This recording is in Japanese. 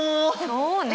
そうね。